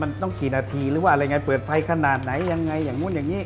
มันต้องกี่นาทีหรือเปิดไฟขนาดไหนอย่างไรอย่างนู้นอย่างนี้